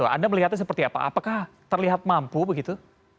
anda melihatnya seperti apa apakah terlihat mampu begitu